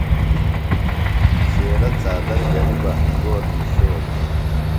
شیرہ څادر گلیۡ بہ انگور نِیشولوۡ۔